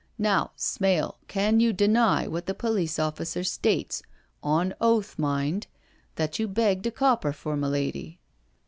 Now, Smale, can you deny what the police officer states, on oath mind, that you begged a copper from a lady?"